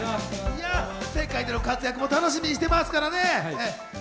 世界での活躍も楽しみにしてますからね。